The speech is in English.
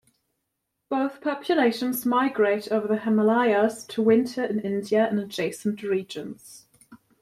Both populations migrate over the Himalayas to winter in India and adjacent regions.